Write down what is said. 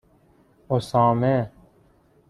اُسامه